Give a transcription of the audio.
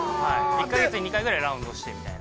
１か月に２回ぐらいはラウンドしてみたいな。